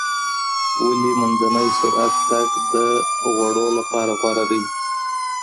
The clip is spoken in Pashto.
ولې منځنی سرعت تګ د غوړو لپاره غوره دی؟